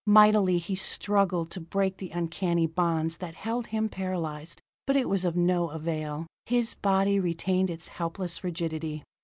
Mightily he struggled to break the uncanny bonds that held him paralyzed, but it was of no avail. His body retained its helpless rigidity.